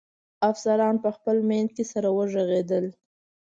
افسران په خپل منځ کې سره و غږېدل.